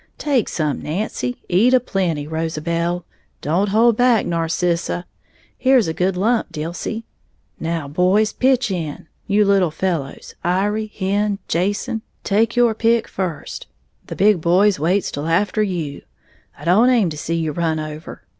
Take some, Nancy, eat a plenty, Rosabel, don't hold back, Narcissa, here's a good lump, Dilsey. Now, boys, pitch in, you little fellows, Iry, Hen, Jason, take your pick first, the big boys waits till after you, I don't aim to see you run over.